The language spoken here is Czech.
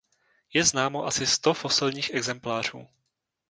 Je známo asi sto fosilních exemplářů.